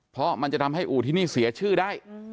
เพราะมันจะทำให้อู่ที่นี่เสียชื่อได้